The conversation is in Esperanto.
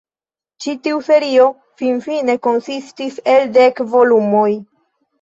Ĉi tiu serio finfine konsistis el dek volumoj.